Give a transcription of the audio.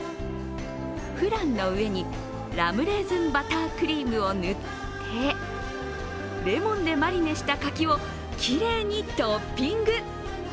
フランの上にラムレーズンバタークリームを塗ってレモンでマリネした柿をきれいにトッピング。